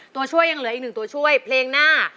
ตัวช่วยยังเหลืออีกหนึ่งตัวช่วยเพลงหน้า